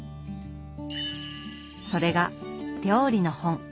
それが料理の本。